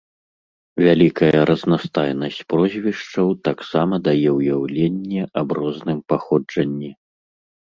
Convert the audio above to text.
Вялікая разнастайнасць прозвішчаў таксама дае ўяўленне аб розным паходжанні.